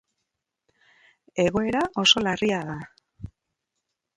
Egoera oso larria da.